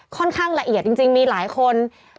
ค่อนข้างละเอียดจริงมีหลายคน